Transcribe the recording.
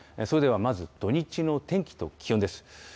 それではまず、土日の天気と気温です。